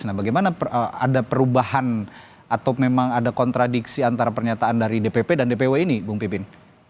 nah bagaimana ada perubahan atau memang ada kontradiksi antara pernyataan dari dpp dan dpw ini bung pipin